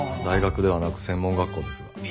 大学ではなく専門学校ですが。